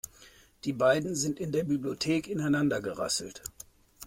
Die beiden sind in der Bibliothek ineinander gerasselt.